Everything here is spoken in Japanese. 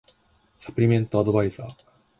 サプリメントアドバイザー